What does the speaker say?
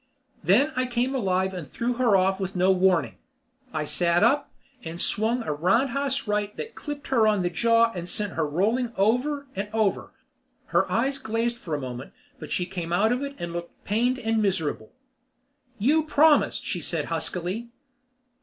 Then I came alive and threw her off with no warning. I sat up, and swung a roundhouse right that clipped her on the jaw and sent her rolling over and over. Her eyes glazed for a moment but she came out of it and looked pained and miserable. "You promised," she said huskily.